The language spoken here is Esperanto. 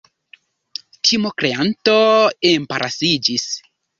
Timokreanto embarasiĝis.